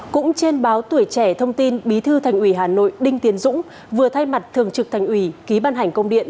cũng trên báo tuổi trẻ thông tin bí thư thành ủy hà nội đinh tiến dũng vừa thay mặt thường trực thành ủy ký ban hành công điện